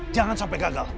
jangan sampai gagal